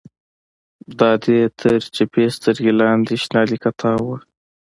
د ادې تر چپې سترگې لاندې شنه ليکه تاوه وه.